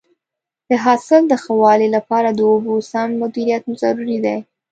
د حاصل د ښه والي لپاره د اوبو سم مدیریت ضروري دی.